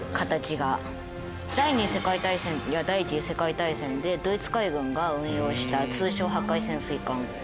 第二次世界大戦や第一次世界大戦でドイツ海軍が運用した通商破壊潜水艦。